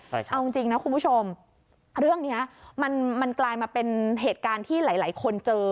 เอาจริงนะคุณผู้ชมเรื่องนี้มันมันกลายมาเป็นเหตุการณ์ที่หลายคนเจอ